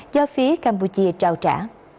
do phía campuchia trao trả